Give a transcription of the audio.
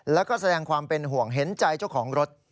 แล้วก็แสดงความเป็นห่วงเห็นใจเจ้าของรถ